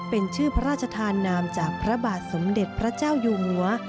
เป็นชื่อพระราชธานามจากพระบาทสมเด็จพระเจ้าอยู่หัว